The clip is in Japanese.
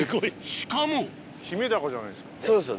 しかもヒメダカじゃないですか。